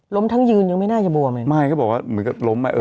ล้มทั้งยืนยังไม่น่าจะบวมไม่ก็บอกว่าเหมือนกับล้มมา